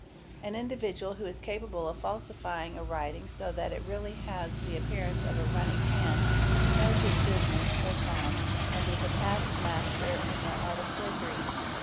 = An individual who is capable of falsifying a writing so that it really has the appearance of a running hand knows his business aw fond and is a : past master in the art of forgery.